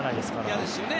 嫌ですよね